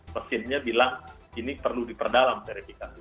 mesinnya bilang ini perlu diperdalam verifikasi